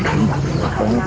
tại khu vực này